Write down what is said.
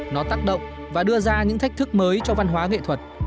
nó tác động và đưa ra những thách thức mới cho văn hóa nghệ thuật